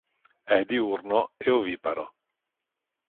È diurno e oviparo.